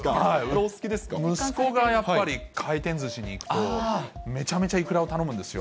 息子がやっぱり回転ずしに行くと、めちゃめちゃイクラを頼むんですよ。